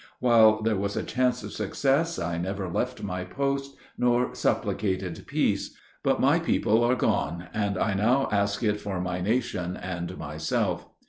While there was a chance of success, I never left my post, nor supplicated peace. But my people are gone; and I now ask it for my nation and myself."